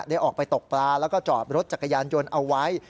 ได้ออกไปตกปลาแล้วก็จอดรถจักรยานยนต์เอาไว้